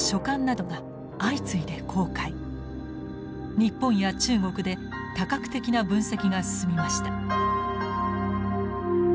日本や中国で多角的な分析が進みました。